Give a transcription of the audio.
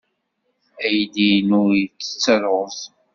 Aydi-inu yettett ṛṛuz.